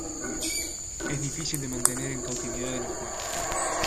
Es difícil de mantener en cautividad en acuario.